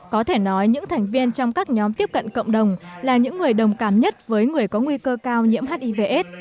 có thể nói những thành viên trong các nhóm tiếp cận cộng đồng là những người đồng cảm nhất với người có nguy cơ cao nhiễm hivs